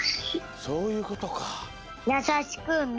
そういうことか。